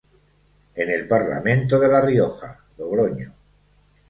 En el Parlamento de La Rioja, Logroño.